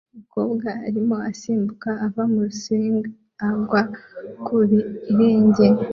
Umukobwa arimo asimbuka ava muri swing agwa ku birenge